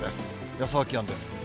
予想気温です。